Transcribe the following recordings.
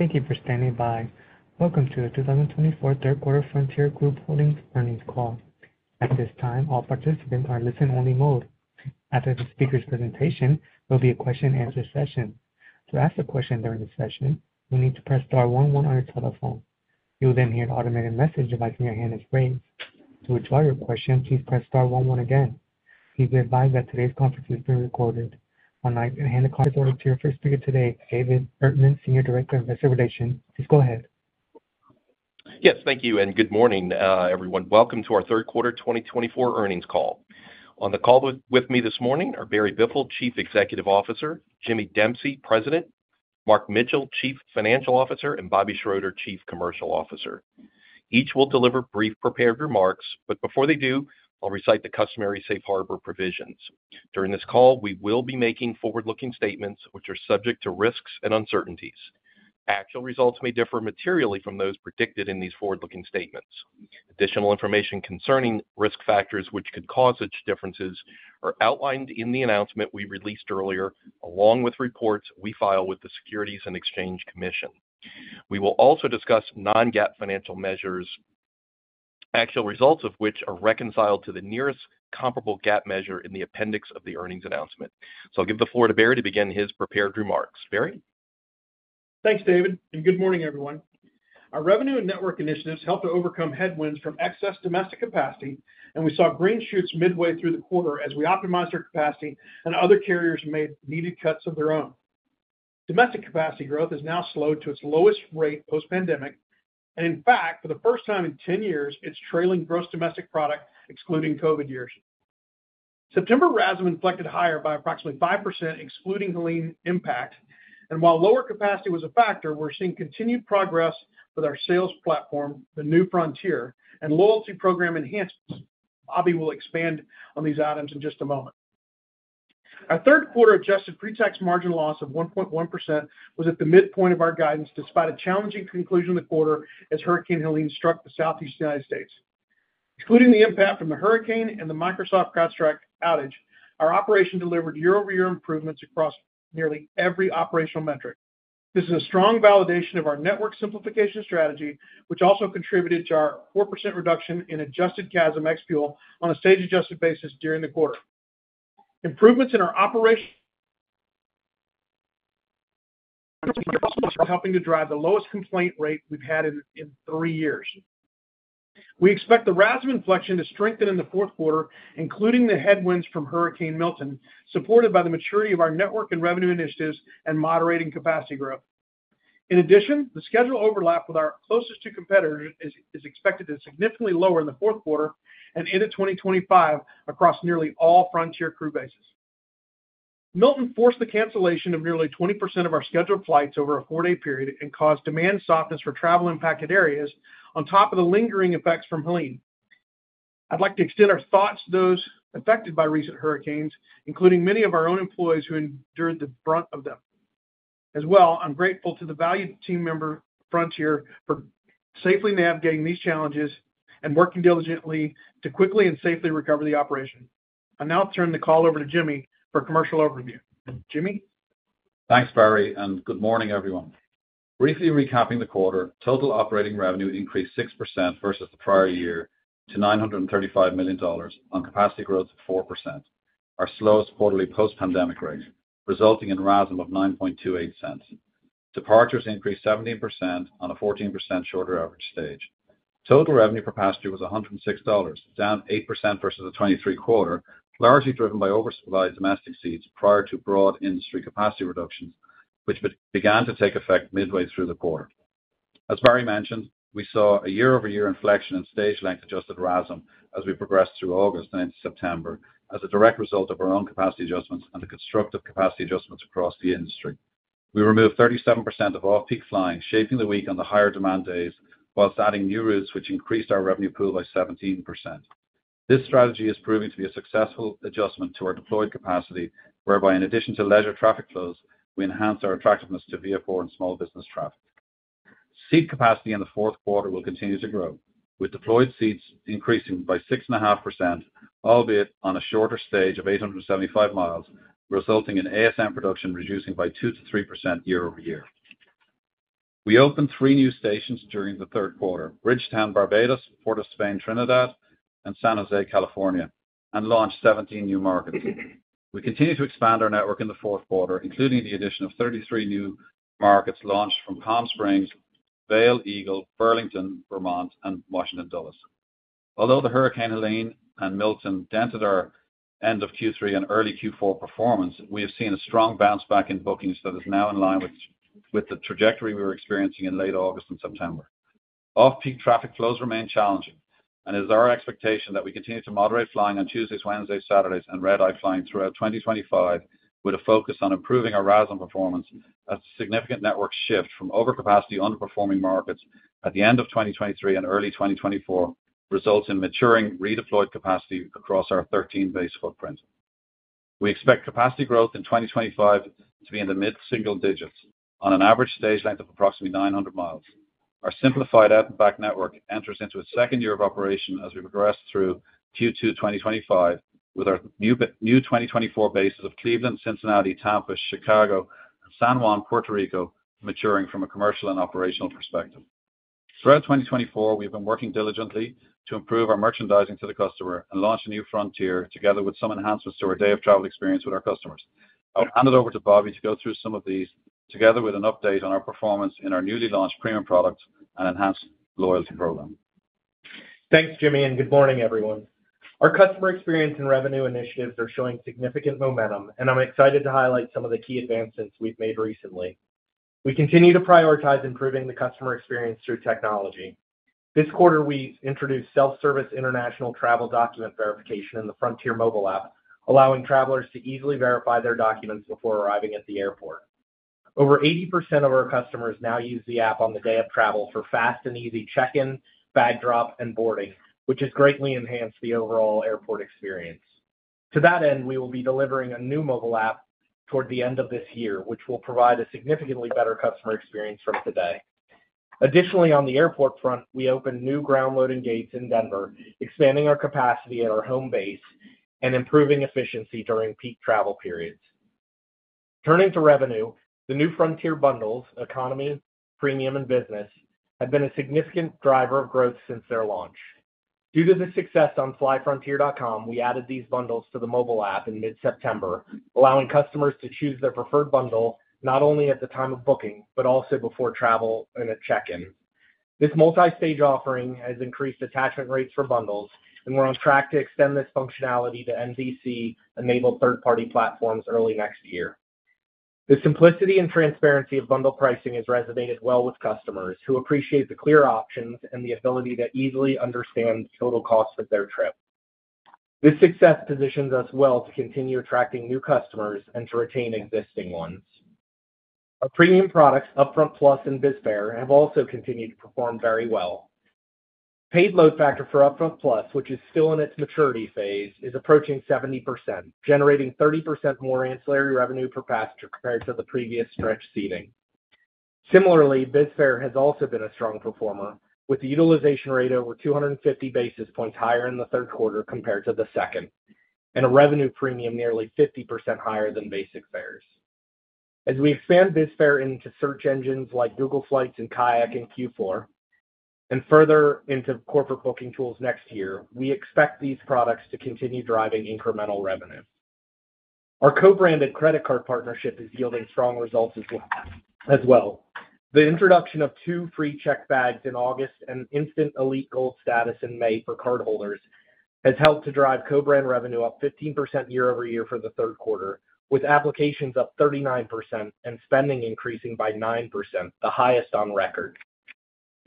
Thank you for standing by. Welcome to the 2024 third quarter Frontier Group Holdings earnings call. At this time, all participants are in listen-only mode. After the speaker's presentation, there will be a question-and-answer session. To ask a question during the session, you'll need to press star one one on your telephone. You'll then hear an automated message advising your hand is raised. To withdraw your question, please press star one one again. Please be advised that today's conference is being recorded. I'll now hand the conference over to your first speaker today, David Erdman, Senior Director of Investor Relations. Please go ahead. Yes, thank you and good morning, everyone. Welcome to our third quarter 2024 earnings call. On the call with me this morning are Barry Biffle, Chief Executive Officer; Jimmy Dempsey, President; Mark Mitchell, Chief Financial Officer; and Bobby Schroeter, Chief Commercial Officer. Each will deliver brief prepared remarks, but before they do, I'll recite the customary safe harbor provisions. During this call, we will be making forward-looking statements which are subject to risks and uncertainties. Actual results may differ materially from those predicted in these forward-looking statements. Additional information concerning risk factors which could cause such differences are outlined in the announcement we released earlier, along with reports we file with the Securities and Exchange Commission. We will also discuss non-GAAP financial measures, actual results of which are reconciled to the nearest comparable GAAP measure in the appendix of the earnings announcement. So I'll give the floor to Barry to begin his prepared remarks. Barry? Thanks, David, and good morning, everyone. Our revenue and network initiatives helped to overcome headwinds from excess domestic capacity, and we saw green shoots midway through the quarter as we optimized our capacity and other carriers made needed cuts of their own. Domestic capacity growth has now slowed to its lowest rate post-pandemic, and in fact, for the first time in 10 years, it's trailing gross domestic product, excluding COVID years. September RASM inflected higher by approximately 5%, excluding the Helene impact, and while lower capacity was a factor, we're seeing continued progress with our sales platform, The New Frontier, and loyalty program enhancements. Bobby will expand on these items in just a moment. Our third quarter adjusted pre-tax margin loss of 1.1% was at the midpoint of our guidance despite a challenging conclusion of the quarter as Hurricane Helene struck the southeast United States. Excluding the impact from the hurricane and the Microsoft CrowdStrike outage, our operation delivered year-over-year improvements across nearly every operational metric. This is a strong validation of our network simplification strategy, which also contributed to our 4% reduction in adjusted CASM-ex fuel on a stage-adjusted basis during the quarter. Improvements in our operation are helping to drive the lowest complaint rate we've had in three years. We expect the RASM inflection to strengthen in the fourth quarter, including the headwinds from Hurricane Milton, supported by the maturity of our network and revenue initiatives and moderating capacity growth. In addition, the schedule overlap with our closest two competitors is expected to significantly lower in the fourth quarter and into 2025 across nearly all Frontier crew bases. Milton forced the cancellation of nearly 20% of our scheduled flights over a four-day period and caused demand softness for travel impacted areas on top of the lingering effects from Helene. I'd like to extend our thoughts to those affected by recent hurricanes, including many of our own employees who endured the brunt of them. As well, I'm grateful to the valued team member Frontier for safely navigating these challenges and working diligently to quickly and safely recover the operation. I now turn the call over to Jimmy for a commercial overview. Jimmy? Thanks, Barry, and good morning, everyone. Briefly recapping the quarter, total operating revenue increased 6% versus the prior year to $935 million on capacity growth of 4%, our slowest quarterly post-pandemic rate, resulting in RASM of $0.0928. Departures increased 17% on a 14% shorter average stage. Total revenue per passenger was $106, down 8% versus the 2023 quarter, largely driven by oversupplied domestic seats prior to broad industry capacity reductions, which began to take effect midway through the quarter. As Barry mentioned, we saw a year-over-year inflection in stage length adjusted RASM as we progressed through August and into September as a direct result of our own capacity adjustments and the constructive capacity adjustments across the industry. We removed 37% of off-peak flying, shaping the week on the higher demand days while adding new routes, which increased our revenue pool by 17%. This strategy is proving to be a successful adjustment to our deployed capacity, whereby in addition to leisure traffic flows, we enhance our attractiveness to VFR and small business traffic. Seat capacity in the fourth quarter will continue to grow, with deployed seats increasing by 6.5%, albeit on a shorter stage of 875 miles, resulting in ASM production reducing by 2%-3% year-over-year. We opened three new stations during the third quarter: Bridgetown, Barbados, Port of Spain, Trinidad, and San Jose, California, and launched 17 new markets. We continue to expand our network in the fourth quarter, including the addition of 33 new markets launched from Palm Springs, Vail/Eagle, Burlington, Vermont, and Washington Dulles. Although the Hurricane Helene and Milton dented our end of Q3 and early Q4 performance, we have seen a strong bounce back in bookings that is now in line with the trajectory we were experiencing in late August and September. Off-peak traffic flows remain challenging, and it is our expectation that we continue to moderate flying on Tuesdays, Wednesdays, Saturdays, and red-eye flying throughout 2025, with a focus on improving our RASM performance as a significant network shift from overcapacity underperforming markets at the end of 2023 and early 2024 results in maturing redeployed capacity across our 13-base footprint. We expect capacity growth in 2025 to be in the mid-single digits on an average stage length of approximately 900 miles. Our simplified out-and-back network enters into its second year of operation as we progress through Q2 2025 with our new 2024 bases of Cleveland, Cincinnati, Tampa, Chicago, and San Juan, Puerto Rico, maturing from a commercial and operational perspective. Throughout 2024, we've been working diligently to improve our merchandising to the customer and launch The New Frontier together with some enhancements to our day-of travel experience with our customers. I'll hand it over to Bobby to go through some of these together with an update on our performance in our newly launched premium product and enhanced loyalty program. Thanks, Jimmy, and good morning, everyone. Our customer experience and revenue initiatives are showing significant momentum, and I'm excited to highlight some of the key advancements we've made recently. We continue to prioritize improving the customer experience through technology. This quarter, we introduced self-service international travel document verification in the Frontier mobile app, allowing travelers to easily verify their documents before arriving at the airport. Over 80% of our customers now use the app on the day of travel for fast and easy check-in, bag drop, and boarding, which has greatly enhanced the overall airport experience. To that end, we will be delivering a new mobile app toward the end of this year, which will provide a significantly better customer experience from today. Additionally, on the airport front, we opened new ground loading gates in Denver, expanding our capacity at our home base and improving efficiency during peak travel periods. Turning to revenue, The New Frontier bundles: Economy, Premium, and Business have been a significant driver of growth since their launch. Due to the success on flyfrontier.com, we added these bundles to the mobile app in mid-September, allowing customers to choose their preferred bundle not only at the time of booking but also before travel and at check-in. This multi-stage offering has increased attachment rates for bundles, and we're on track to extend this functionality to NDC-enabled third-party platforms early next year. The simplicity and transparency of bundle pricing has resonated well with customers who appreciate the clear options and the ability to easily understand the total cost of their trip. This success positions us well to continue attracting new customers and to retain existing ones. Our premium products, UpFront Plus and BizFare, have also continued to perform very well. Paid load factor for UpFront Plus, which is still in its maturity phase, is approaching 70%, generating 30% more ancillary revenue per passenger compared to the previous stretch seating. Similarly, BizFare has also been a strong performer, with the utilization rate over 250 basis points higher in the third quarter compared to the second, and a revenue premium nearly 50% higher than basic fares. As we expand BizFare into search engines like Google Flights and Kayak in Q4 and further into corporate booking tools next year, we expect these products to continue driving incremental revenue. Our co-branded credit card partnership is yielding strong results as well. The introduction of two free checked bags in August and instant Elite Gold status in May for cardholders has helped to drive co-brand revenue up 15% year-over-year for the third quarter, with applications up 39% and spending increasing by 9%, the highest on record.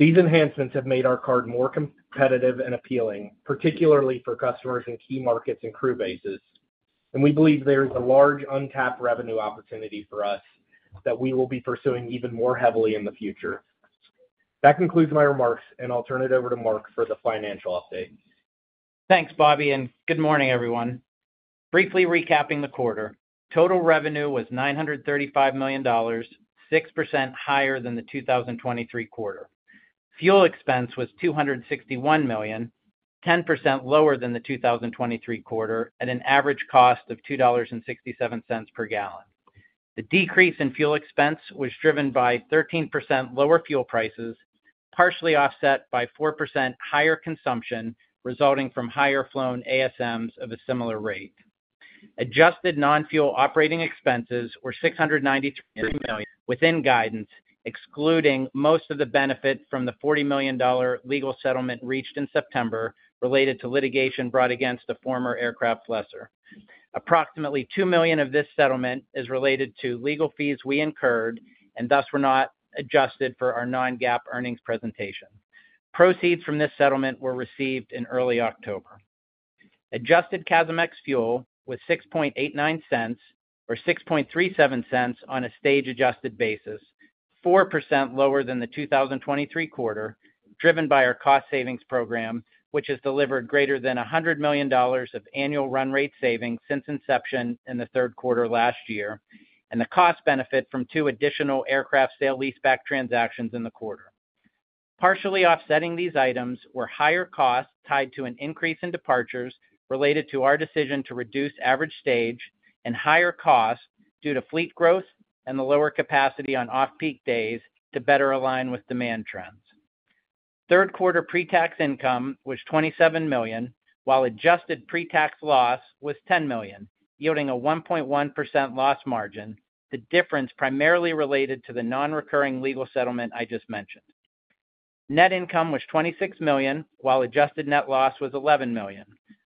These enhancements have made our card more competitive and appealing, particularly for customers in key markets and crew bases, and we believe there is a large, untapped revenue opportunity for us that we will be pursuing even more heavily in the future. That concludes my remarks, and I'll turn it over to Mark for the financial update. Thanks, Bobby, and good morning, everyone. Briefly recapping the quarter, total revenue was $935 million, 6% higher than the 2023 quarter. Fuel expense was $261 million, 10% lower than the 2023 quarter, at an average cost of $2.67 per gallon. The decrease in fuel expense was driven by 13% lower fuel prices, partially offset by 4% higher consumption resulting from higher flown ASMs of a similar rate. Adjusted non-fuel operating expenses were $693 million within guidance, excluding most of the benefit from the $40 million legal settlement reached in September related to litigation brought against a former aircraft lessor. Approximately $2 million of this settlement is related to legal fees we incurred and thus were not adjusted for our non-GAAP earnings presentation. Proceeds from this settlement were received in early October. Adjusted CASM-ex fuel was $0.0689 or $0.0637 on a stage-adjusted basis, 4% lower than the 2023 quarter, driven by our cost savings program, which has delivered greater than $100 million of annual run rate savings since inception in the third quarter last year, and the cost benefit from two additional aircraft sale-leaseback transactions in the quarter. Partially offsetting these items were higher costs tied to an increase in departures related to our decision to reduce average stage and higher costs due to fleet growth and the lower capacity on off-peak days to better align with demand trends. Third quarter pre-tax income was $27 million, while adjusted pre-tax loss was $10 million, yielding a 1.1% loss margin, the difference primarily related to the non-recurring legal settlement I just mentioned. Net income was $26 million, while adjusted net loss was $11 million.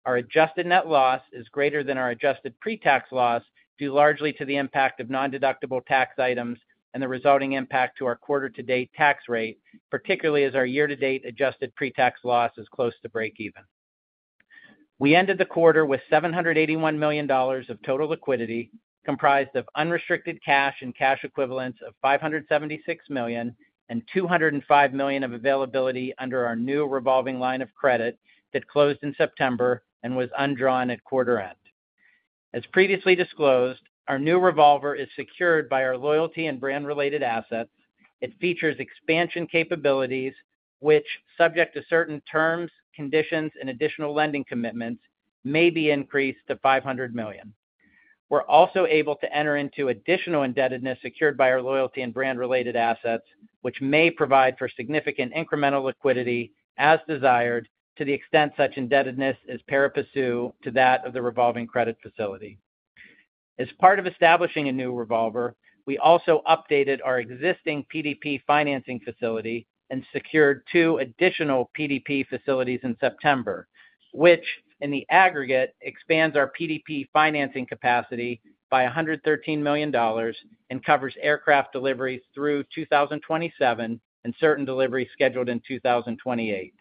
Our adjusted net loss is greater than our adjusted pre-tax loss due largely to the impact of non-deductible tax items and the resulting impact to our quarter-to-date tax rate, particularly as our year-to-date adjusted pre-tax loss is close to break even. We ended the quarter with $781 million of total liquidity comprised of unrestricted cash and cash equivalents of $576 million and $205 million of availability under our new revolving line of credit that closed in September and was undrawn at quarter end. As previously disclosed, our new revolver is secured by our loyalty and brand-related assets. It features expansion capabilities, which, subject to certain terms, conditions, and additional lending commitments, may be increased to $500 million. We're also able to enter into additional indebtedness secured by our loyalty and brand-related assets, which may provide for significant incremental liquidity as desired to the extent such indebtedness is pari passu to that of the revolving credit facility. As part of establishing a new revolver, we also updated our existing PDP financing facility and secured two additional PDP facilities in September, which, in the aggregate, expands our PDP financing capacity by $113 million and covers aircraft deliveries through 2027 and certain deliveries scheduled in 2028.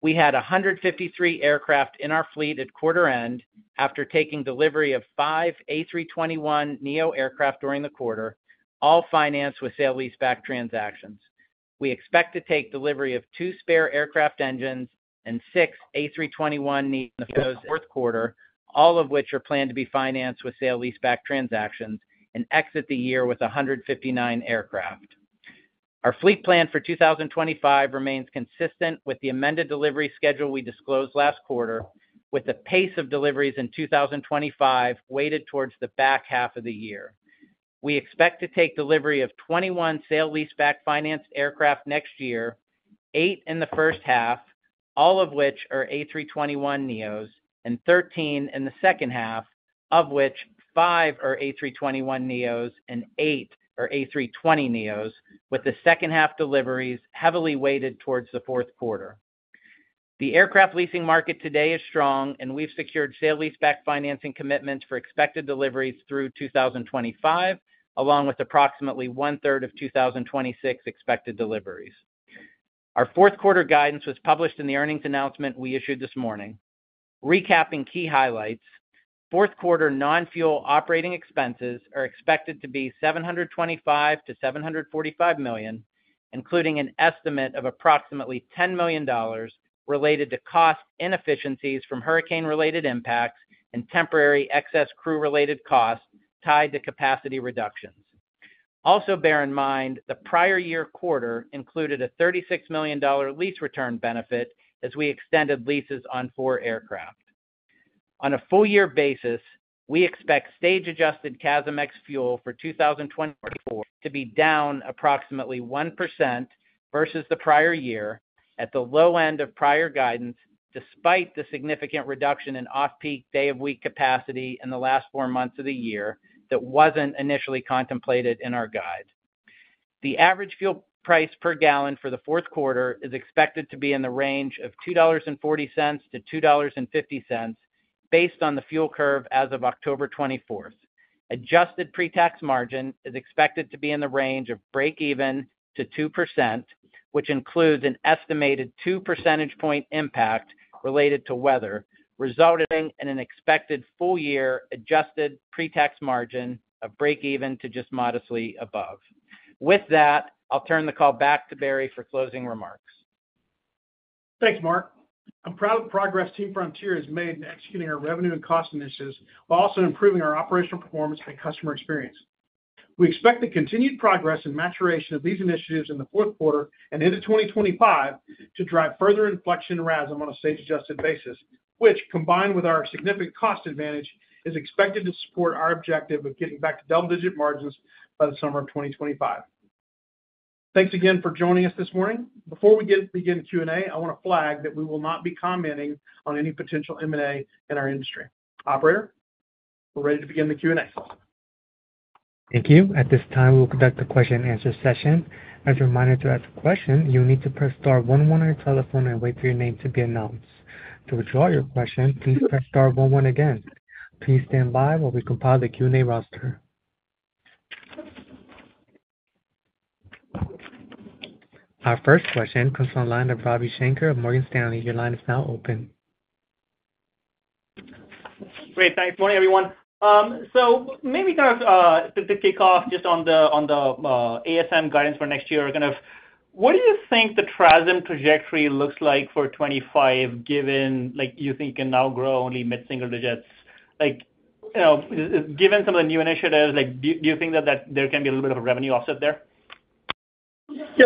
We had 153 aircraft in our fleet at quarter end after taking delivery of five A321neo aircraft during the quarter, all financed with sale-leaseback transactions. We expect to take delivery of two spare aircraft engines and six A321neo in the fourth quarter, all of which are planned to be financed with sale-leaseback transactions and exit the year with 159 aircraft. Our fleet plan for 2025 remains consistent with the amended delivery schedule we disclosed last quarter, with the pace of deliveries in 2025 weighted towards the back half of the year. We expect to take delivery of 21 sale-leaseback financed aircraft next year, eight in the first half, all of which are A321neos, and 13 in the second half, of which five are A321neos and eight are A320neos, with the second half deliveries heavily weighted towards the fourth quarter. The aircraft leasing market today is strong, and we've secured sale-leaseback financing commitments for expected deliveries through 2025, along with approximately 1/3 of 2026 expected deliveries. Our fourth quarter guidance was published in the earnings announcement we issued this morning. Recapping key highlights, fourth quarter non-fuel operating expenses are expected to be $725 million-$745 million, including an estimate of approximately $10 million related to cost inefficiencies from hurricane-related impacts and temporary excess crew-related costs tied to capacity reductions. Also, bear in mind the prior year quarter included a $36 million lease return benefit as we extended leases on four aircraft. On a full-year basis, we expect stage-adjusted CASM-ex fuel for 2024 to be down approximately 1% versus the prior year at the low end of prior guidance, despite the significant reduction in off-peak day-of-week capacity in the last four months of the year that wasn't initially contemplated in our guide. The average fuel price per gallon for the fourth quarter is expected to be in the range of $2.40-$2.50 based on the fuel curve as of October 24th. Adjusted pre-tax margin is expected to be in the range of break-even to 2%, which includes an estimated 2 percentage point impact related to weather, resulting in an expected full-year adjusted pre-tax margin of break-even to just modestly above. With that, I'll turn the call back to Barry for closing remarks. Thanks, Mark. I'm proud of the progress Team Frontier has made in executing our revenue and cost initiatives while also improving our operational performance and customer experience. We expect the continued progress and maturation of these initiatives in the fourth quarter and into 2025 to drive further inflection and rhythm on a stage-adjusted basis, which, combined with our significant cost advantage, is expected to support our objective of getting back to double-digit margins by the summer of 2025. Thanks again for joining us this morning. Before we begin Q&A, I want to flag that we will not be commenting on any potential M&A in our industry. Operator, we're ready to begin the Q&A. Thank you. At this time, we will conduct a question-and-answer session. As a reminder to ask a question, you'll need to press star one one on your telephone and wait for your name to be announced. To withdraw your question, please press star one one again. Please stand by while we compile the Q&A roster. Our first question comes from the line of Ravi Shanker of Morgan Stanley. Your line is now open. Great. Thanks. Morning, everyone. So maybe kind of to kick off just on the ASM guidance for next year, kind of what do you think the TRASM trajectory looks like for 2025, given you think it can now grow only mid-single digits? Given some of the new initiatives, do you think that there can be a little bit of a revenue offset there? Yeah.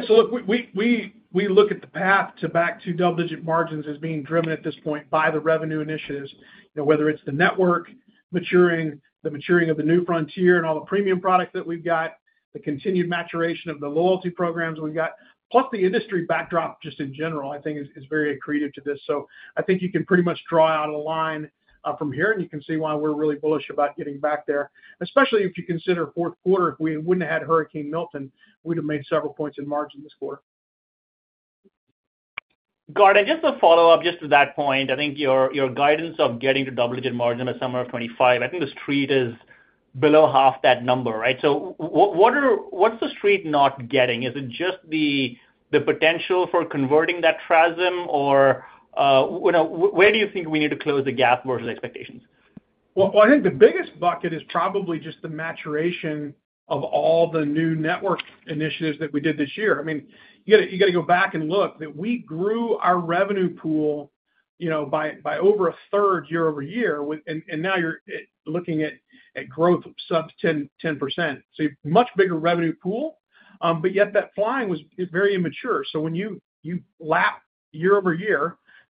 So look, we look at the path back to double-digit margins as being driven at this point by the revenue initiatives, whether it's the network maturing, the maturing of The New Frontier and all the premium products that we've got, the continued maturation of the loyalty programs we've got, plus the industry backdrop just in general, I think, is very accretive to this. So I think you can pretty much draw out a line from here, and you can see why we're really bullish about getting back there, especially if you consider fourth quarter. If we wouldn't have had Hurricane Milton, we'd have made several points in margin this quarter. Got it, just to follow up just to that point, I think your guidance of getting to double-digit margin by summer of 2025, I think the street is below half that number, right? So what's the street not getting? Is it just the potential for converting that TRASM, or where do you think we need to close the gap versus expectations? I think the biggest bucket is probably just the maturation of all the new network initiatives that we did this year. I mean, you got to go back and look that we grew our revenue pool by over a third year over year, and now you're looking at growth of sub-10%. So you have a much bigger revenue pool, but yet that flying was very immature.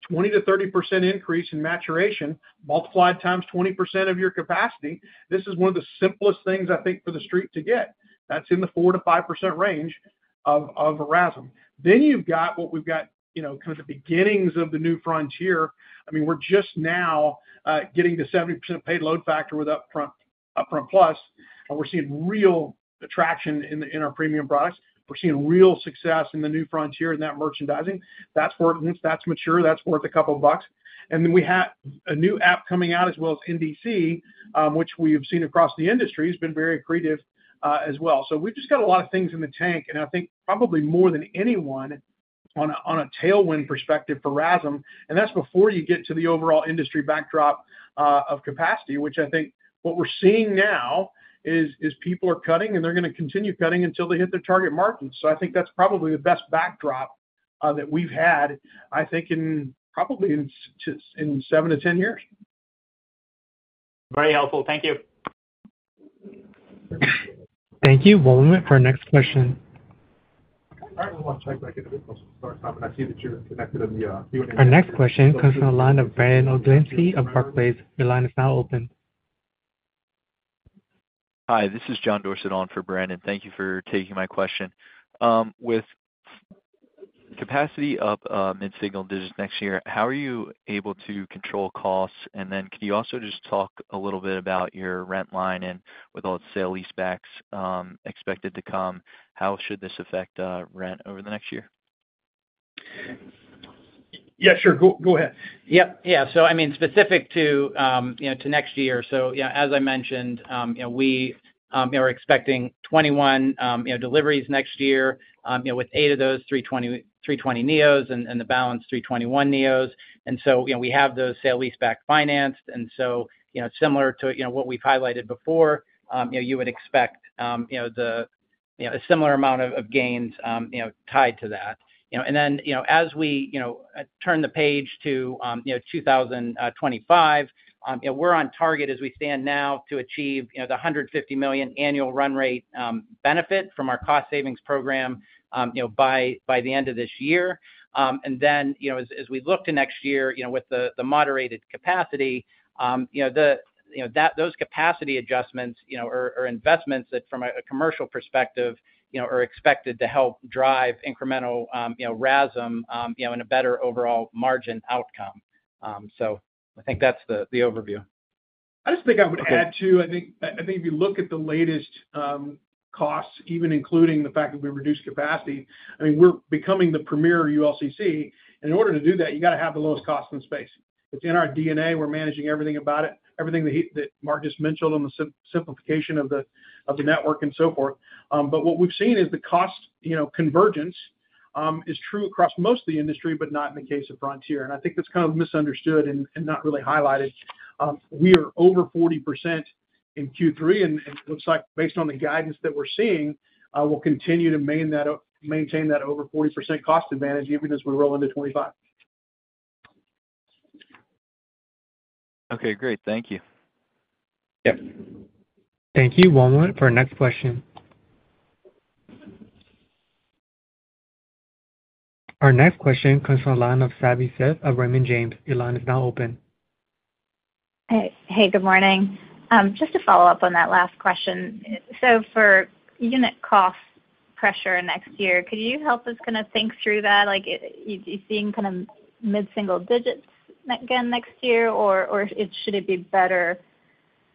So when you lap year over year, 20%-30% increase in maturation multiplied times 20% of your capacity, this is one of the simplest things, I think, for the street to get. That's in the 4%-5% range of RASM. Then you've got what we've got kind of the beginnings of The New Frontier. I mean, we're just now getting to 70% paid load factor with UpFront Plus, and we're seeing real traction in our premium products. We're seeing real success in The New Frontier and that merchandising. That's mature. That's worth a couple of bucks, and then we have a new app coming out as well as NDC, which we have seen across the industry has been very accretive as well. So we've just got a lot of things in the tank, and I think probably more than anyone on a tailwind perspective for RASM. And that's before you get to the overall industry backdrop of capacity, which I think, what we're seeing now, is people are cutting, and they're going to continue cutting until they hit their target margins. So I think that's probably the best backdrop that we've had, I think, in probably seven to 10 years. Very helpful. Thank you. Thank you. One moment for our next question. Our next question comes from the line of Brandon Oglenski of Barclays. Your line is now open. Hi. This is John Dorsett on for Brandon. Thank you for taking my question. With capacity up mid-single digits next year, how are you able to control costs? And then can you also just talk a little bit about your rent line and with all the sale-leasebacks expected to come, how should this affect rent over the next year? Yeah. Sure. Go ahead. Yep. Yeah. So I mean, specific to next year. So as I mentioned, we are expecting 21 deliveries next year with eight of those A320neos and the balance A321neos. And so we have those sale-leaseback financed. And so similar to what we've highlighted before, you would expect a similar amount of gains tied to that. And then as we turn the page to 2025, we're on target as we stand now to achieve the $150 million annual run rate benefit from our cost savings program by the end of this year. And then as we look to next year with the moderated capacity, those capacity adjustments or investments that from a commercial perspective are expected to help drive incremental RASM in a better overall margin outcome. So I think that's the overview. I just think I would add too. I think if you look at the latest costs, even including the fact that we reduced capacity, I mean, we're becoming the premier ULCC. And in order to do that, you got to have the lowest cost in the space. It's in our DNA. We're managing everything about it, everything that Mark just mentioned on the simplification of the network and so forth. But what we've seen is the cost convergence is true across most of the industry, but not in the case of Frontier. And I think that's kind of misunderstood and not really highlighted. We are over 40% in Q3, and it looks like based on the guidance that we're seeing, we'll continue to maintain that over 40% cost advantage even as we roll into 2025. Okay. Great. Thank you. Yep. Thank you. One moment for our next question. Our next question comes from the line of Savanthi Syth of Raymond James. Your line is now open. Hey. Good morning. Just to follow up on that last question. So for unit cost pressure next year, could you help us kind of think through that? Are you seeing kind of mid-single digits again next year, or should it be better,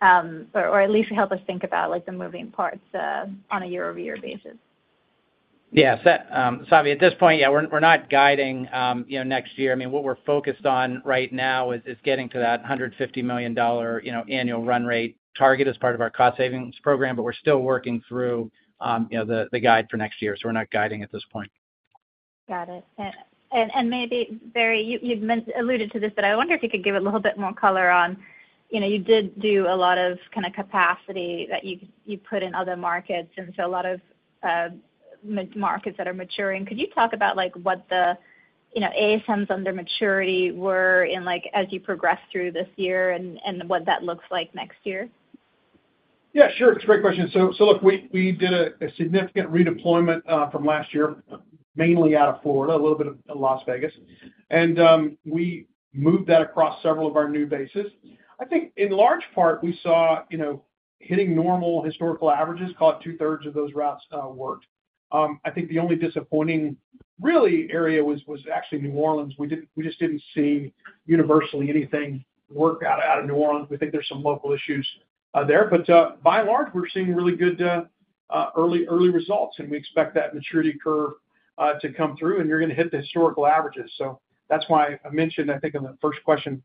or at least help us think about the moving parts on a year-over-year basis? Yeah. Savanthi, at this point, yeah, we're not guiding next year. I mean, what we're focused on right now is getting to that $150 million annual run rate target as part of our cost savings program, but we're still working through the guide for next year. So we're not guiding at this point. Got it. And maybe, Barry, you alluded to this, but I wonder if you could give a little bit more color on you did do a lot of kind of capacity that you put in other markets and so a lot of markets that are maturing. Could you talk about what the ASMs under maturity were as you progressed through this year and what that looks like next year? Yeah. Sure. It's a great question. So look, we did a significant redeployment from last year, mainly out of Florida, a little bit of Las Vegas. And we moved that across several of our new bases. I think in large part, we saw hitting normal historical averages. Call it 2/3 of those routes worked. I think the only disappointing really area was actually New Orleans. We just didn't see universally anything work out of New Orleans. We think there's some local issues there. But by and large, we're seeing really good early results, and we expect that maturity curve to come through, and you're going to hit the historical averages. So that's why I mentioned, I think, in the first question,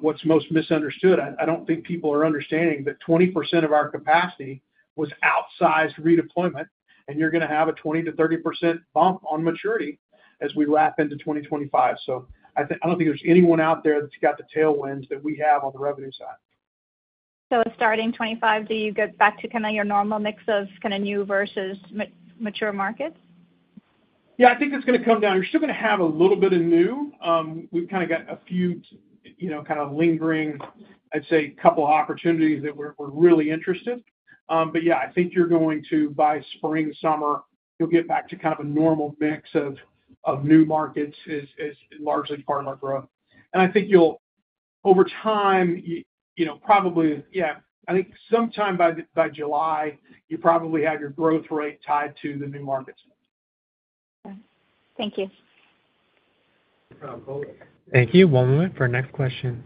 what's most misunderstood. I don't think people are understanding that 20% of our capacity was outsized redeployment, and you're going to have a 20%-30% bump on maturity as we wrap into 2025. So I don't think there's anyone out there that's got the tailwinds that we have on the revenue side. So starting 2025, do you get back to kind of your normal mix of kind of new versus mature markets? Yeah. I think it's going to come down. You're still going to have a little bit of new. We've kind of got a few kind of lingering, I'd say, couple of opportunities that we're really interested. But yeah, I think you're going to by spring, summer, you'll get back to kind of a normal mix of new markets as largely part of our growth. And I think over time, probably, yeah, I think sometime by July, you probably have your growth rate tied to the new markets. Okay. Thank you. Thank you. One moment for our next question.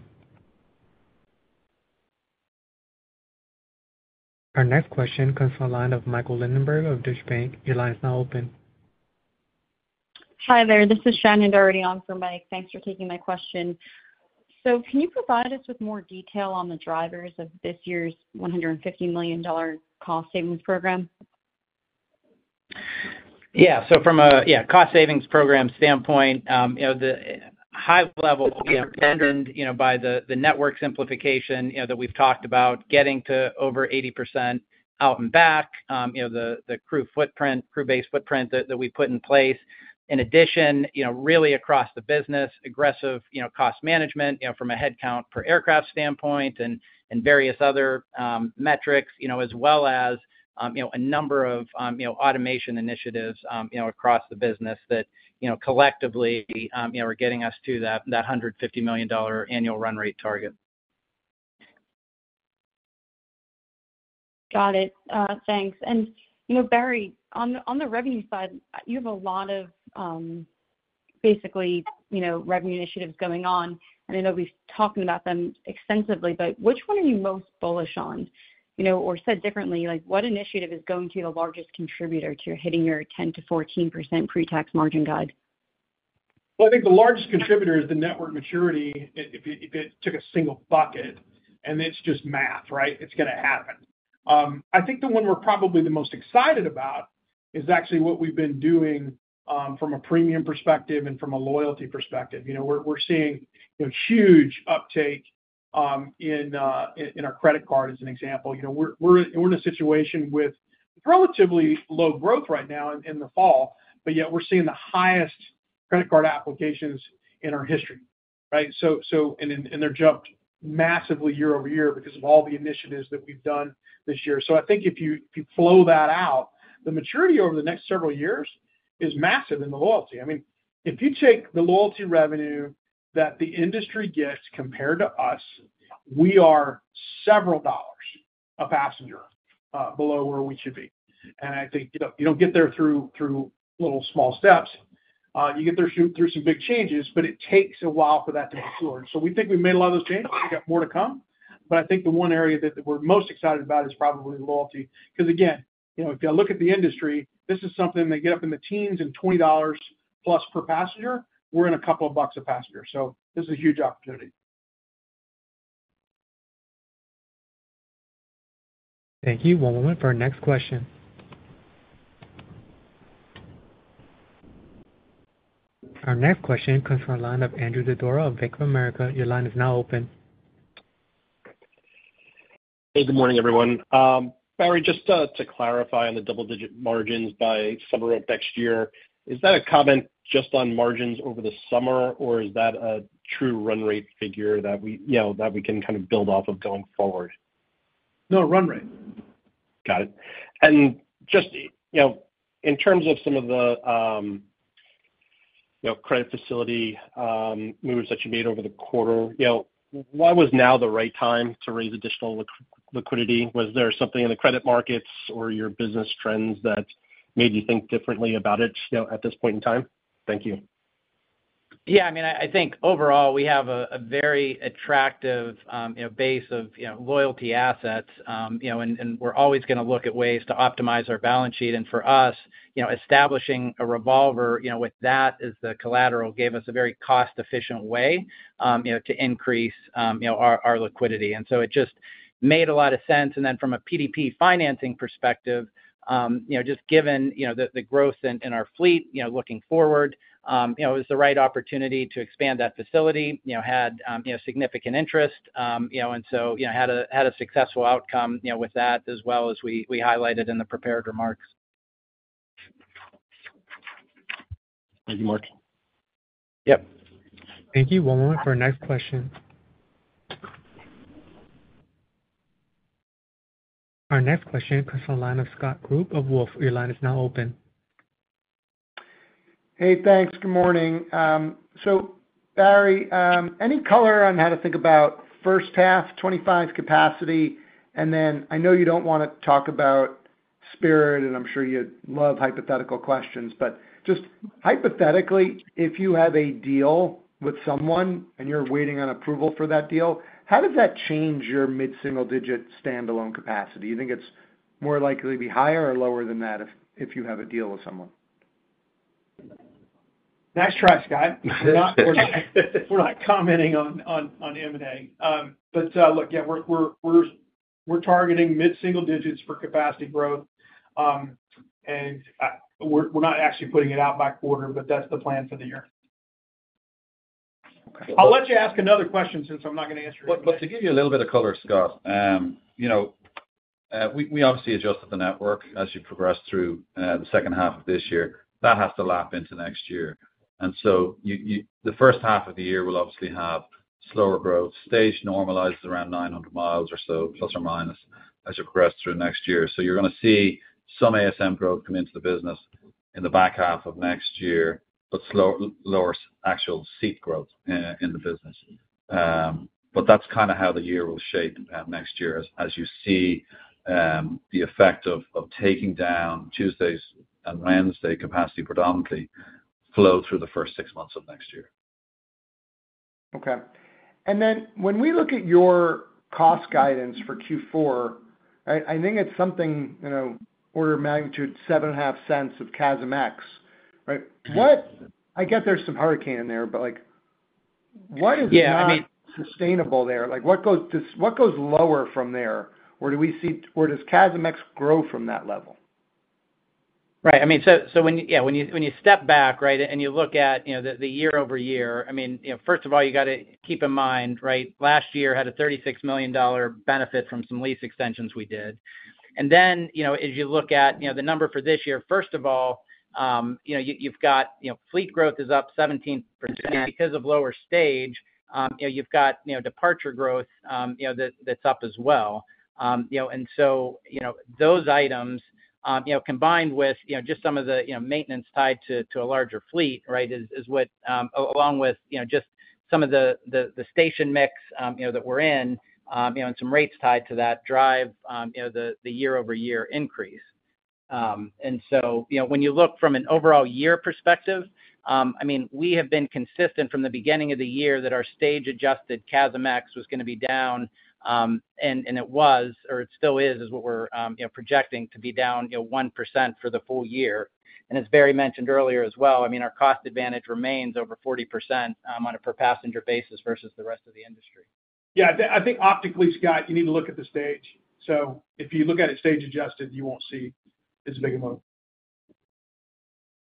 Our next question comes from the line of Michael Linenberg of Deutsche Bank. Your line is now open. Hi there. This is Shannon Doherty on for Mike. Thanks for taking my question. So can you provide us with more detail on the drivers of this year's $150 million cost savings program? Yeah. So from a cost savings program standpoint, the high-level driven by the network simplification that we've talked about, getting to over 80% out and back, the crew base footprint that we put in place. In addition, really across the business, aggressive cost management from a headcount per aircraft standpoint and various other metrics, as well as a number of automation initiatives across the business that collectively are getting us to that $150 million annual run rate target. Got it. Thanks. And Barry, on the revenue side, you have a lot of basically revenue initiatives going on, and I know we've talked about them extensively, but which one are you most bullish on? Or said differently, what initiative is going to be the largest contributor to hitting your 10%-14% pre-tax margin guide? I think the largest contributor is the network maturity. If it took a single bucket, and it's just math, right? It's going to happen. I think the one we're probably the most excited about is actually what we've been doing from a premium perspective and from a loyalty perspective. We're seeing huge uptake in our credit card as an example. We're in a situation with relatively low growth right now in the fall, but yet we're seeing the highest credit card applications in our history, right? And they're jumped massively year over year because of all the initiatives that we've done this year. So I think if you flow that out, the maturity over the next several years is massive in the loyalty. I mean, if you take the loyalty revenue that the industry gets compared to us, we are several dollars a passenger below where we should be. I think you don't get there through little small steps. You get there through some big changes, but it takes a while for that to mature. We think we've made a lot of those changes. We've got more to come. I think the one area that we're most excited about is probably loyalty. Because again, if you look at the industry, this is something they get up in the teens and $20+ per passenger. We're in a couple of bucks a passenger. This is a huge opportunity. Thank you. One moment for our next question. Our next question comes from the line of Andrew Didora of Bank of America. Your line is now open. Hey. Good morning, everyone. Barry, just to clarify on the double-digit margins by summer of next year, is that a comment just on margins over the summer, or is that a true run rate figure that we can kind of build off of going forward? No, run rate. Got it. And just in terms of some of the credit facility moves that you made over the quarter, why was now the right time to raise additional liquidity? Was there something in the credit markets or your business trends that made you think differently about it at this point in time? Thank you. Yeah. I mean, I think overall, we have a very attractive base of loyalty assets, and we're always going to look at ways to optimize our balance sheet. And for us, establishing a revolver with that as the collateral gave us a very cost-efficient way to increase our liquidity. And so it just made a lot of sense. And then from a PDP financing perspective, just given the growth in our fleet looking forward, it was the right opportunity to expand that facility, had significant interest, and so had a successful outcome with that as well as we highlighted in the prepared remarks. Thank you, Mark. Yep. Thank you. One moment for our next question. Our next question comes from the line of Scott Group of Wolfe. Your line is now open. Hey. Thanks. Good morning. So Barry, any color on how to think about first half 2025 capacity? And then I know you don't want to talk about Spirit, and I'm sure you love hypothetical questions. But just hypothetically, if you have a deal with someone and you're waiting on approval for that deal, how does that change your mid-single digit standalone capacity? Do you think it's more likely to be higher or lower than that if you have a deal with someone? Nice try, Scott. We're not commenting on M&A. But look, yeah, we're targeting mid-single digits for capacity growth. And we're not actually putting it out by quarter, but that's the plan for the year. I'll let you ask another question since I'm not going to answer it. But to give you a little bit of color, Scott, we obviously adjusted the network as you progressed through the second half of this year. That has to lap into next year. And so the first half of the year will obviously have slower growth. Stage normalizes around 900 miles or so, plus or minus, as you progress through next year. So you're going to see some ASM growth come into the business in the back half of next year, but lower actual seat growth in the business. But that's kind of how the year will shape next year as you see the effect of taking down Tuesdays and Wednesday capacity predominantly flow through the first six months of next year. Okay. And then when we look at your cost guidance for Q4, I think it's something order of magnitude $0.075 of CASM-ex, right? I get there's some hurricane in there, but what is sustainable there? What goes lower from there? Or does CASM-ex grow from that level? Right. I mean, so yeah, when you step back, right, and you look at the year-over-year, I mean, first of all, you got to keep in mind, right, last year had a $36 million benefit from some lease extensions we did. And then as you look at the number for this year, first of all, you've got fleet growth is up 17%. Because of lower stage, you've got departure growth that's up as well. And so those items combined with just some of the maintenance tied to a larger fleet, right, along with just some of the station mix that we're in and some rates tied to that drive the year-over-year increase. When you look from an overall year perspective, I mean, we have been consistent from the beginning of the year that our stage-adjusted CASM-ex was going to be down, and it was, or it still is, is what we're projecting to be down 1% for the full year. As Barry mentioned earlier as well, I mean, our cost advantage remains over 40% on a per-passenger basis versus the rest of the industry. Yeah. I think optically, Scott, you need to look at the stage. So if you look at it stage-adjusted, you won't see as big a move.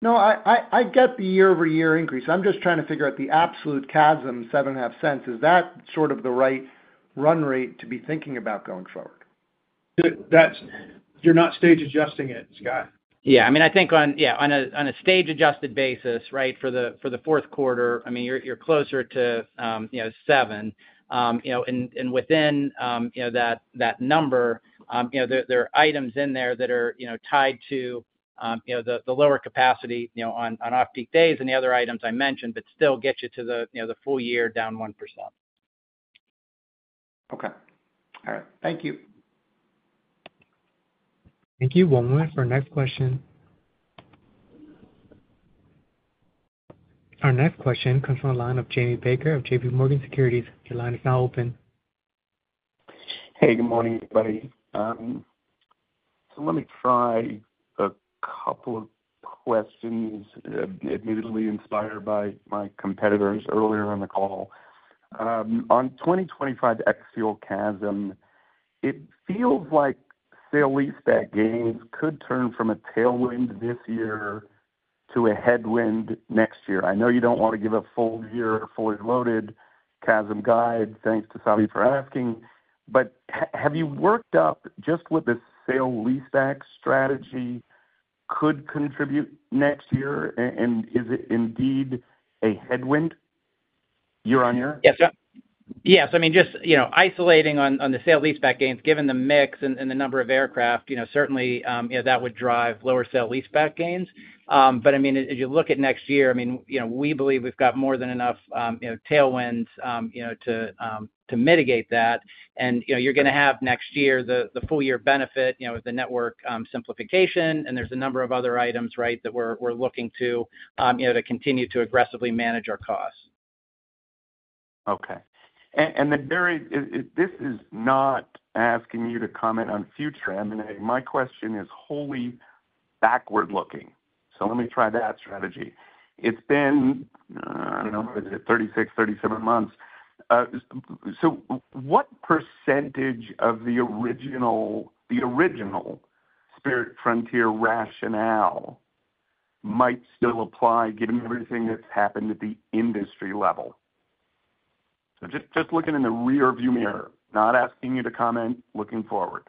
No, I get the year-over-year increase. I'm just trying to figure out the absolute CASM $0.075. Is that sort of the right run rate to be thinking about going forward? You're not stage-adjusting it, Scott. Yeah. I mean, I think on a stage-adjusted basis, right, for the fourth quarter, I mean, you're closer to 7%. And within that number, there are items in there that are tied to the lower capacity on off-peak days and the other items I mentioned, but still get you to the full year down 1%. Okay. All right. Thank you. Thank you. One moment for our next question. Our next question comes from the line of Jamie Baker of JPMorgan Securities. Your line is now open. Hey. Good morning, everybody. So let me try a couple of questions admittedly inspired by my competitors earlier on the call. On 2025 ex-fuel CASM, it feels like sale-leaseback gains could turn from a tailwind this year to a headwind next year. I know you don't want to give a full year fully loaded CASM guide. Thanks to Savvy for asking. But have you worked up just what the sale-leaseback strategy could contribute next year? And is it indeed a headwind year on year? Yes. Yeah. So I mean, just isolating on the sale-leaseback gains, given the mix and the number of aircraft, certainly that would drive lower sale-leaseback gains. But I mean, as you look at next year, I mean, we believe we've got more than enough tailwinds to mitigate that. And you're going to have next year the full year benefit with the network simplification. And there's a number of other items, right, that we're looking to continue to aggressively manage our costs. Okay. And then Barry, this is not asking you to comment on future. I mean, my question is wholly backward-looking. So let me try that strategy. It's been, I don't know, what is it, 36, 37 months. So what percentage of the original Spirit Frontier rationale might still apply given everything that's happened at the industry level? So just looking in the rearview mirror, not asking you to comment, looking forward.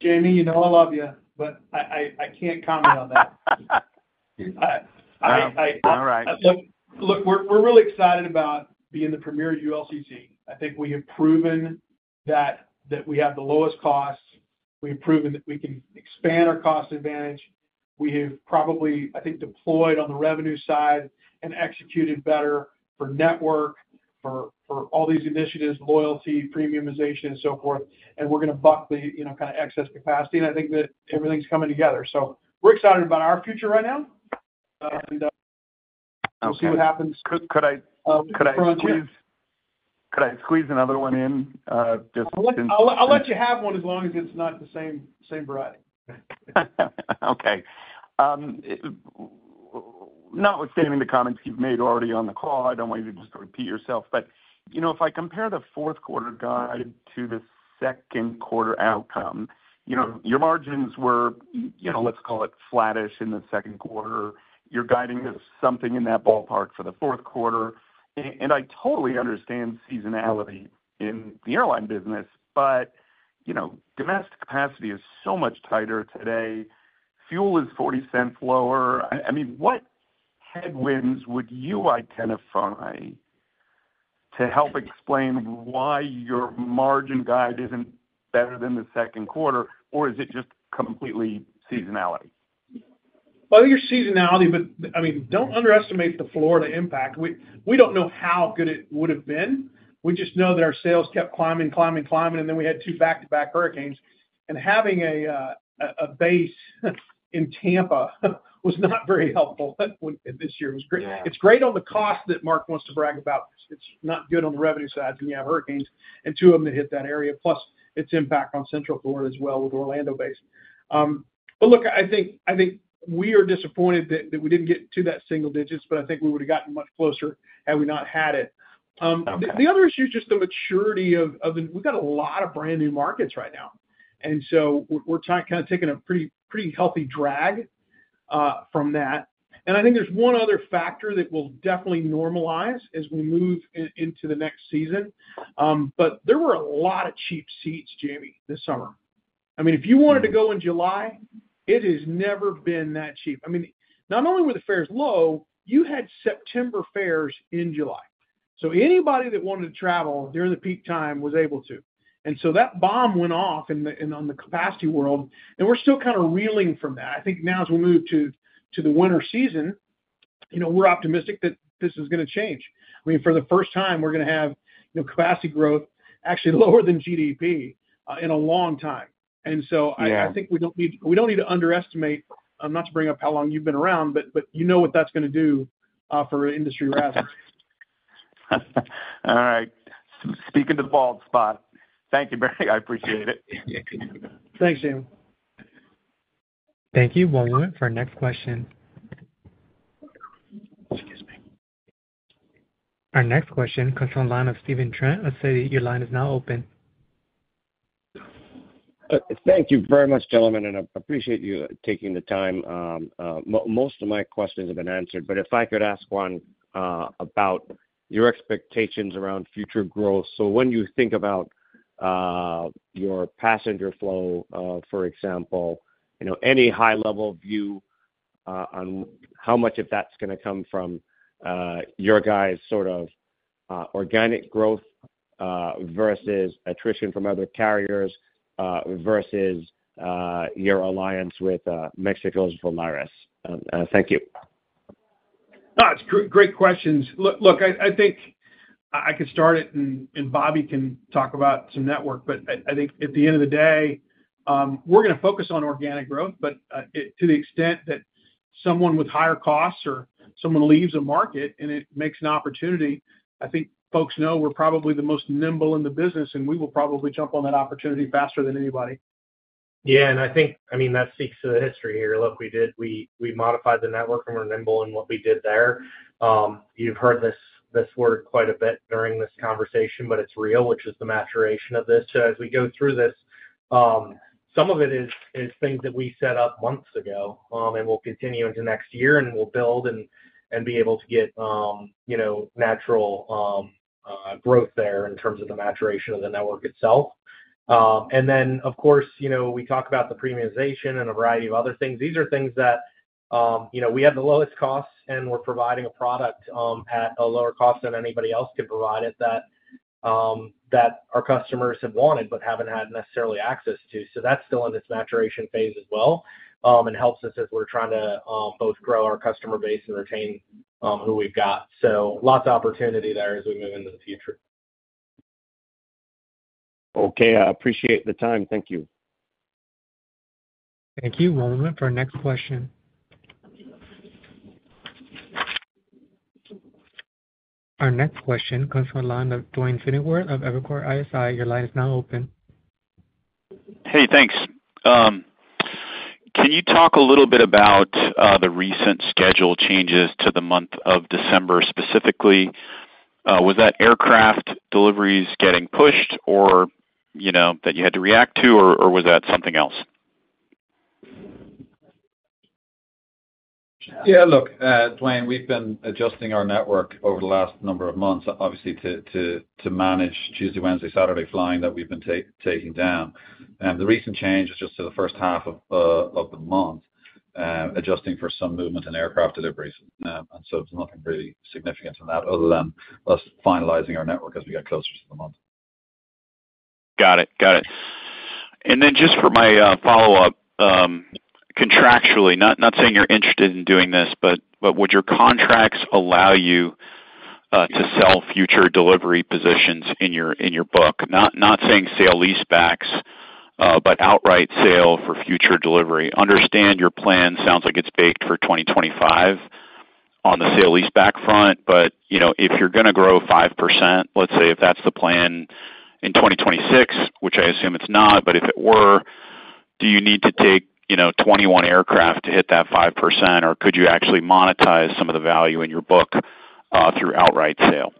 Jamie, you know I love you, but I can't comment on that. All right. Look, we're really excited about being the premier ULCC. I think we have proven that we have the lowest costs. We have proven that we can expand our cost advantage. We have probably, I think, deployed on the revenue side and executed better for network, for all these initiatives, loyalty, premiumization, and so forth, and we're going to buck the kind of excess capacity, and I think that everything's coming together, so we're excited about our future right now, and we'll see what happens. Could I squeeze another one in just since? I'll let you have one as long as it's not the same variety. Okay. Notwithstanding the comments you've made already on the call, I don't want you to just repeat yourself. But if I compare the fourth quarter guide to the second quarter outcome, your margins were, let's call it, flattish in the second quarter. You're guiding us something in that ballpark for the fourth quarter. And I totally understand seasonality in the airline business, but domestic capacity is so much tighter today. Fuel is $0.40 lower. I mean, what headwinds would you identify to help explain why your margin guide isn't better than the second quarter? Or is it just completely seasonality? Well, your seasonality, but I mean, don't underestimate the Florida impact. We don't know how good it would have been. We just know that our sales kept climbing, climbing, climbing, and then we had two back-to-back hurricanes. Having a base in Tampa was not very helpful this year. It's great on the cost that Mark wants to brag about. It's not good on the revenue side when you have hurricanes and two of them that hit that area. Plus, its impact on Central Florida as well with Orlando base. Look, I think we are disappointed that we didn't get to that single digits, but I think we would have gotten much closer had we not had it. The other issue is just the maturity. We've got a lot of brand-new markets right now. So we're kind of taking a pretty healthy drag from that. I think there's one other factor that will definitely normalize as we move into the next season. There were a lot of cheap seats, Jamie, this summer. I mean, if you wanted to go in July, it has never been that cheap. I mean, not only were the fares low, you had September fares in July. Anybody that wanted to travel during the peak time was able to. So that bomb went off on the capacity world. We're still kind of reeling from that. I think now as we move to the winter season, we're optimistic that this is going to change. I mean, for the first time, we're going to have capacity growth actually lower than GDP in a long time. I think we don't need to underestimate, not to bring up how long you've been around, but you know what that's going to do for industry rationale. All right. Speaking to the bald spot. Thank you, Barry. I appreciate it. Thanks, Jamie. Thank you. One moment for our next question. Our next question comes from the line of Stephen Trent, Citi. Your line is now open. Thank you very much, gentlemen. And I appreciate you taking the time. Most of my questions have been answered. But if I could ask one about your expectations around future growth. So when you think about your passenger flow, for example, any high-level view on how much of that's going to come from your guys' sort of organic growth versus attrition from other carriers versus your alliance with Mexico's Volaris? Thank you. That's great questions. Look, I think I could start it, and Bobby can talk about some network. But I think at the end of the day, we're going to focus on organic growth. But to the extent that someone with higher costs or someone leaves a market and it makes an opportunity, I think folks know we're probably the most nimble in the business, and we will probably jump on that opportunity faster than anybody. Yeah. And I think, I mean, that speaks to the history here. Look, we modified the network from our nimbleness and what we did there. You've heard this word quite a bit during this conversation, but it's real, which is the maturation of this. So as we go through this, some of it is things that we set up months ago and will continue into next year, and we'll build and be able to get natural growth there in terms of the maturation of the network itself. And then, of course, we talk about the premiumization and a variety of other things. These are things that we have the lowest costs, and we're providing a product at a lower cost than anybody else can provide it that our customers have wanted but haven't had necessarily access to. So that's still in its maturation phase as well and helps us as we're trying to both grow our customer base and retain who we've got. So lots of opportunity there as we move into the future. Okay. I appreciate the time. Thank you. Thank you. One moment for our next question. Our next question comes from the line of Duane Pfennigwerth of Evercore ISI. Your line is now open. Hey, thanks. Can you talk a little bit about the recent schedule changes to the month of December specifically? Was that aircraft deliveries getting pushed that you had to react to, or was that something else? Yeah. Look, Duane, we've been adjusting our network over the last number of months, obviously, to manage Tuesday, Wednesday, Saturday flying that we've been taking down. And the recent change is just to the first half of the month, adjusting for some movement in aircraft deliveries. And so there's nothing really significant in that other than us finalizing our network as we get closer to the month. Got it. Got it. And then just for my follow-up, contractually, not saying you're interested in doing this, but would your contracts allow you to sell future delivery positions in your book? Not saying sale-leasebacks, but outright sale for future delivery. Understand your plan sounds like it's baked for 2025 on the sale-leaseback front. But if you're going to grow 5%, let's say if that's the plan in 2026, which I assume it's not, but if it were, do you need to take 21 aircraft to hit that 5%, or could you actually monetize some of the value in your book through outright sale?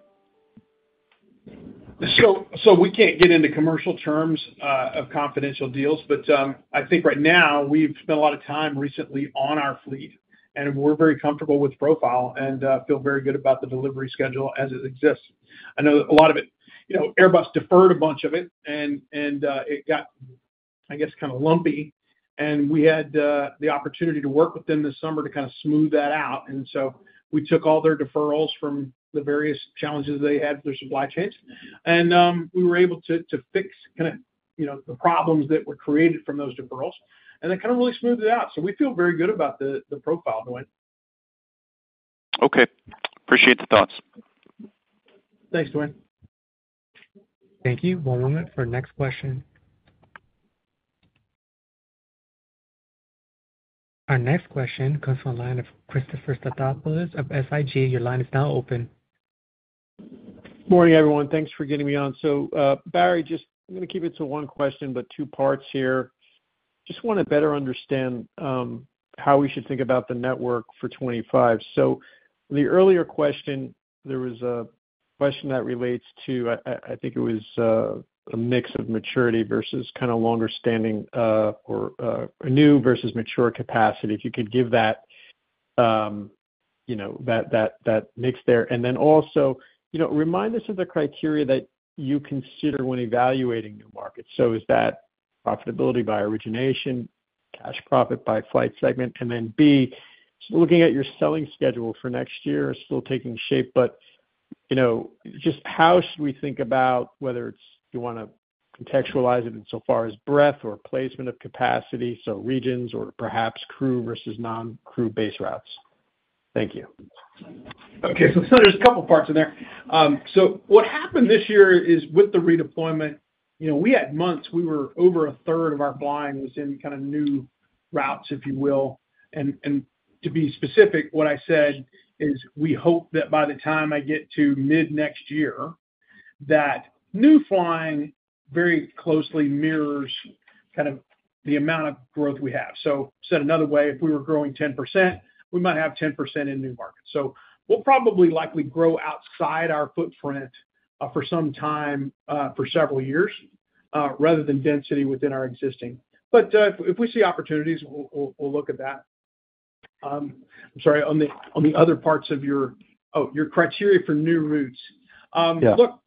So we can't get into commercial terms of confidential deals. But I think right now, we've spent a lot of time recently on our fleet, and we're very comfortable with profile and feel very good about the delivery schedule as it exists. I know a lot of it, Airbus deferred a bunch of it, and it got, I guess, kind of lumpy. And we had the opportunity to work with them this summer to kind of smooth that out. And so we took all their deferrals from the various challenges they had with their supply chains. And we were able to fix kind of the problems that were created from those deferrals. And that kind of really smoothed it out. So we feel very good about the profile, Duane. Okay. Appreciate the thoughts. Thanks, Dwayne. Thank you. One moment for our next question. Our next question comes from the line of Christopher Stathoulopoulos of SIG. Your line is now open. Morning, everyone. Thanks for getting me on. So, Barry, just, I'm going to keep it to one question, but two parts here. Just want to better understand how we should think about the network for 2025. So, the earlier question, there was a question that relates to, I think it was a mix of maturity versus kind of longer-standing or new versus mature capacity, if you could give that mix there. And then also, remind us of the criteria that you consider when evaluating new markets. So, is that profitability by origination, cash profit by flight segment? And then B, just looking at your selling schedule for next year, still taking shape, but just how should we think about whether you want to contextualize it in so far as breadth or placement of capacity, so regions or perhaps crew versus non-crew base routes? Thank you. Okay. So, there's a couple of parts in there. So, what happened this year is with the redeployment, we had months we were over a third of our flying was in kind of new routes, if you will. And to be specific, what I said is we hope that by the time I get to mid-next year, that new flying very closely mirrors kind of the amount of growth we have. So, said another way, if we were growing 10%, we might have 10% in new markets. So, we'll probably likely grow outside our footprint for some time for several years rather than density within our existing. But if we see opportunities, we'll look at that. I'm sorry, on the other parts of your criteria for new routes. Look,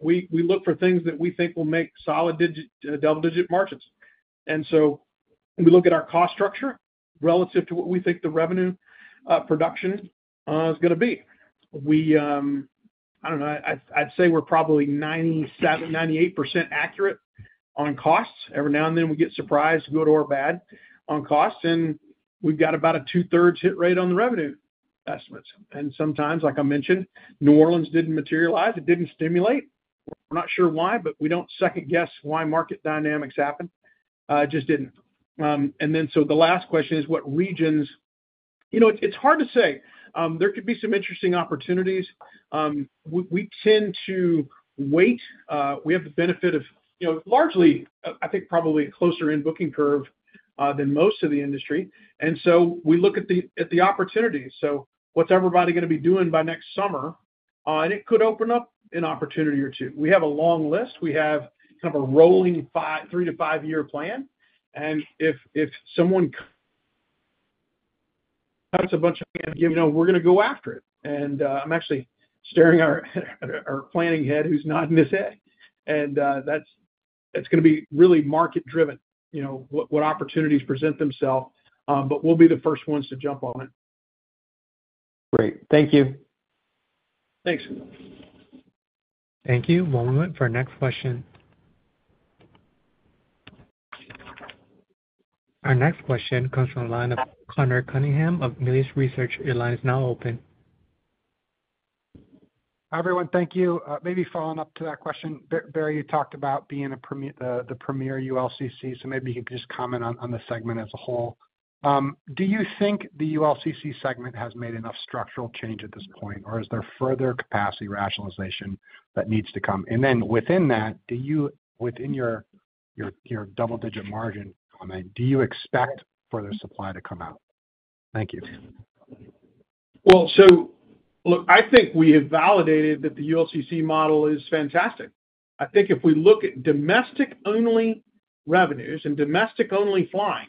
we look for things that we think will make solid double-digit margins. And so we look at our cost structure relative to what we think the revenue production is going to be. I don't know. I'd say we're probably 97%-98% accurate on costs. Every now and then, we get surprised, good or bad, on costs. And we've got about a two-thirds hit rate on the revenue estimates. And sometimes, like I mentioned, New Orleans didn't materialize. It didn't stimulate. We're not sure why, but we don't second-guess why market dynamics happened. It just didn't. And then so the last question is what regions it's hard to say. There could be some interesting opportunities. We tend to wait. We have the benefit of largely, I think, probably a closer-in booking curve than most of the industry. And so we look at the opportunities. So what's everybody going to be doing by next summer? It could open up an opportunity or two. We have a long list. We have kind of a rolling three-to-five-year plan. If someone cuts a bunch of planes, we're going to go after it. I'm actually staring at our planning head who's nodding his head. That's going to be really market-driven, what opportunities present themselves. We'll be the first ones to jump on it. Great. Thank you. Thanks. Thank you. One moment for our next question. Our next question comes from the line of Conor Cunningham of Melius Research. Your line is now open. Hi, everyone. Thank you. Maybe following up to that question, Barry, you talked about being the premier ULCC. So maybe you could just comment on the segment as a whole. Do you think the ULCC segment has made enough structural change at this point, or is there further capacity rationalization that needs to come? And then within that, within your double-digit margin comment, do you expect further supply to come out? Thank you. Look, I think we have validated that the ULCC model is fantastic. I think if we look at domestic-only revenues and domestic-only flying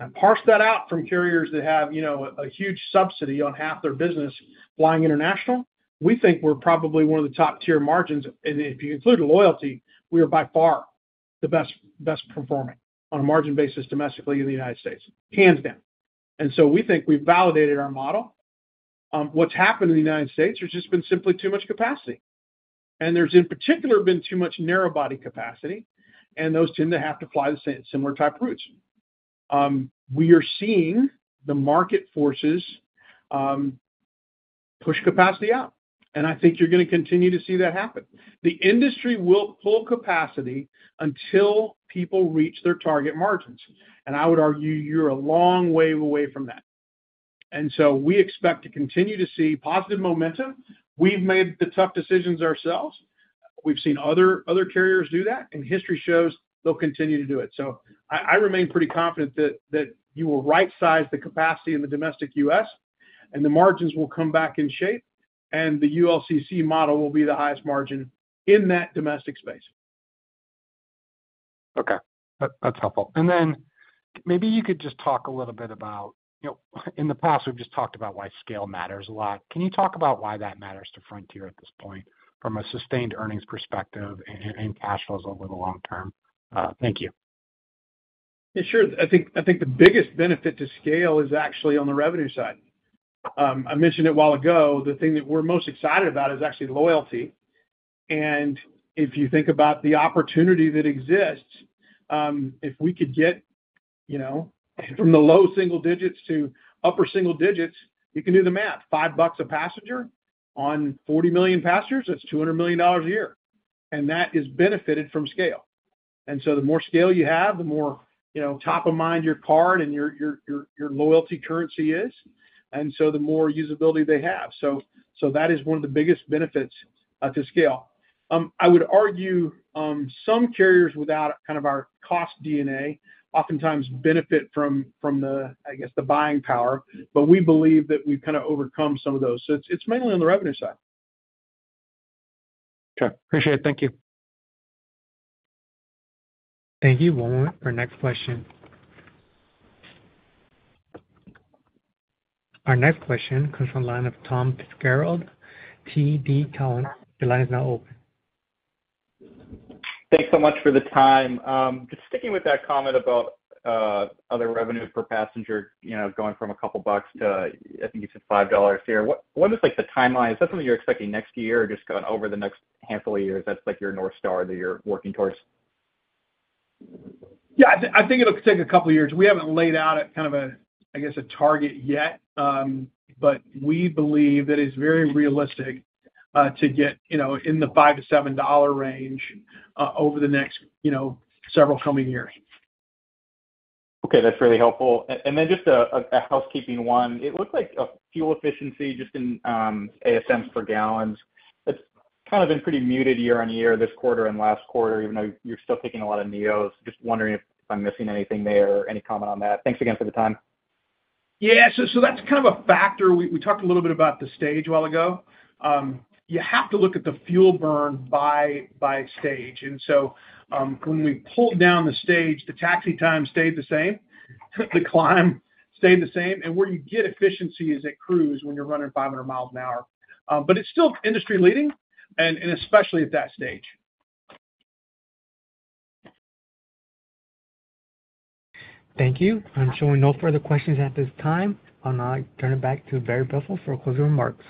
and parse that out from carriers that have a huge subsidy on half their business flying international, we think we're probably one of the top-tier margins. If you include loyalty, we are by far the best performing on a margin basis domestically in the United States, hands down. We think we've validated our model. What's happened in the United States has just been simply too much capacity. There's, in particular, been too much narrow-body capacity. Those tend to have to fly the same similar type routes. We are seeing the market forces push capacity out. I think you're going to continue to see that happen. The industry will pull capacity until people reach their target margins. And I would argue you're a long way away from that. And so we expect to continue to see positive momentum. We've made the tough decisions ourselves. We've seen other carriers do that. And history shows they'll continue to do it. So I remain pretty confident that you will right-size the capacity in the domestic U.S., and the margins will come back in shape. And the ULCC model will be the highest margin in that domestic space. Okay. That's helpful, and then maybe you could just talk a little bit about in the past, we've just talked about why scale matters a lot. Can you talk about why that matters to Frontier at this point from a sustained earnings perspective and cash flows over the long term? Thank you. Yeah, sure. I think the biggest benefit to scale is actually on the revenue side. I mentioned it a while ago. The thing that we're most excited about is actually loyalty. And if you think about the opportunity that exists, if we could get from the low single digits to upper single digits, you can do the math. $5 a passenger on 40 million passengers, that's $200 million a year. And that is benefited from scale. And so the more scale you have, the more top of mind your card and your loyalty currency is. And so the more usability they have. So that is one of the biggest benefits to scale. I would argue some carriers without kind of our cost DNA oftentimes benefit from the, I guess, the buying power. But we believe that we've kind of overcome some of those. It's mainly on the revenue side. Okay. Appreciate it. Thank you. Thank you. One moment for our next question. Our next question comes from the line of Tom Fitzgerald from TD Cowen. Your line is now open. Thanks so much for the time. Just sticking with that comment about other revenue per passenger going from a couple of bucks to, I think you said, $5 here. What is the timeline? Is that something you're expecting next year or just kind of over the next handful of years? That's your North Star that you're working towards? Yeah. I think it'll take a couple of years. We haven't laid out kind of a, I guess, a target yet. But we believe that it's very realistic to get in the $5-$7 range over the next several coming years. Okay. That's really helpful. And then just a housekeeping one. It looks like fuel efficiency just in ASMs per gallon. It's kind of been pretty muted year on year, this quarter and last quarter, even though you're still taking a lot of NEOs. Just wondering if I'm missing anything there or any comment on that. Thanks again for the time. Yeah. So that's kind of a factor. We talked a little bit about the stage a while ago. You have to look at the fuel burn by stage. And so when we pulled down the stage, the taxi time stayed the same. The climb stayed the same. And where you get efficiency is at cruise when you're running 500 miles an hour. But it's still industry-leading, and especially at that stage. Thank you. I'm showing no further questions at this time. I'll now turn it back to Barry Biffle for closing remarks.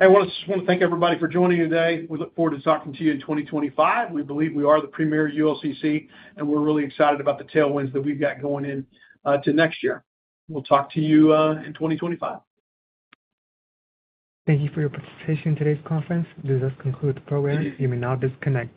Hey, I just want to thank everybody for joining today. We look forward to talking to you in 2025. We believe we are the premier ULCC, and we're really excited about the tailwinds that we've got going into next year. We'll talk to you in 2025. Thank you for your participation in today's conference. This does conclude the program. You may now disconnect.